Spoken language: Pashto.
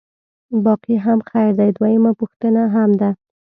باقي هم خیر دی، دویمه پوښتنه هم ده.